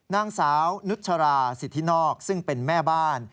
นางสาวนุชราสิทธินอกซึ่งเป็นแม่บ้าน